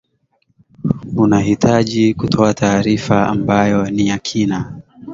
unahitaji kutoa taarifa ambayo ni ya kina